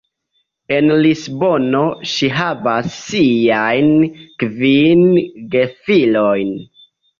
En Lisbono ŝi havas siajn kvin gefilojn.